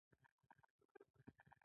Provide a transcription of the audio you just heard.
الماري د هر نسل لپاره یوه خزانه ده